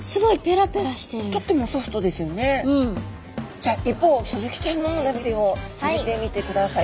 じゃあ一方スズキちゃんの胸びれを触れてみてください。